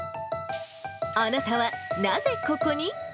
あなたはなぜここに？